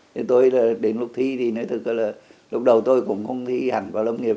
nên tôi là đến lúc thi thì nói thật là lúc đầu tôi cũng không thi hẳn vào lâm nghiệp